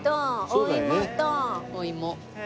お芋。